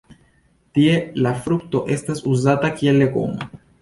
Tie la frukto estas uzata kiel legomo.